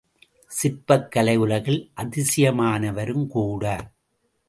சிற்பக் கலை உலகில் அதிசயமானவரும் கூட!